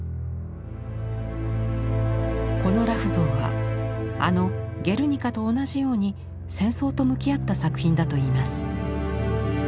この裸婦像はあの「ゲルニカ」と同じように戦争と向き合った作品だといいます。